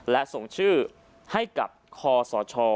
และส่งชื่อให้กับคอสช